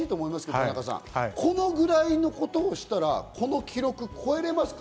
これ変な話、このぐらいの事をしたら、この記録超えられますか？